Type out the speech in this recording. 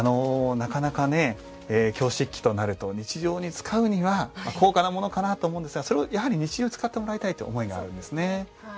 なかなか京漆器となると日常に使うには高価なものかなと思うんですがそれをやはり日常に使ってもらいたいという思いがあるんですね。